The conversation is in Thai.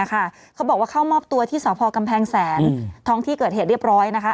เขาบอกว่าเข้ามอบตัวที่สพกำแพงแสนท้องที่เกิดเหตุเรียบร้อยนะคะ